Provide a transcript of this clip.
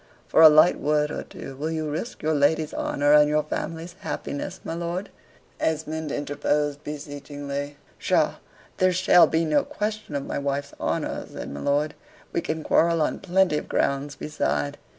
"For a light word or two, will you risk your lady's honor and your family's happiness, my lord?" Esmond interposed beseechingly. "Psha there shall be no question of my wife's honor," said my lord; "we can quarrel on plenty of grounds beside.